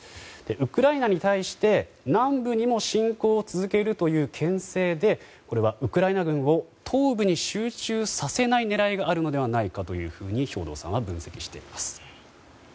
ウクライナに対して、南部にも侵攻を続けるという牽制でこれはウクライナ軍を東部に集中させない狙いがあるのではないかというふうに兵頭さんは分析しています。